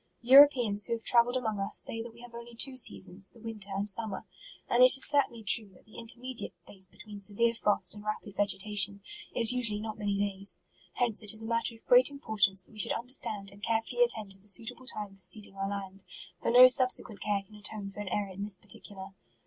Europeans who have travelled among us, say that we have only two seasons, the winter and summer. And it is certainly true, that the intermediate space between severe frost and rapid vegetation, is usually not many days. Hence it is a matter of great impor tance that we should understand and care fully attend to the suitable time for seeding our land, for no subsequent care can atone for an error in this particular.